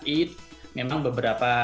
id memang beberapa